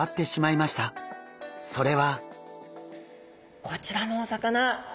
それは。こちらのお魚。